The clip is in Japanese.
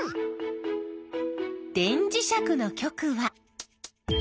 電磁石の極は。